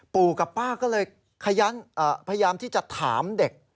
ปู่กับป้าก็เลยพยายามที่จะถามเด็ก